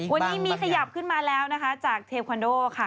วันนี้มีขยับขึ้นมาแล้วนะคะจากเทควันโดค่ะ